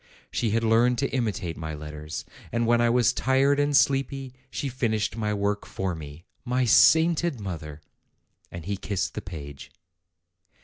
She had learned to imitate my letters ; and when I was tired and sleepy, she finished my work for me. My sainted mother!" And he kissed the page.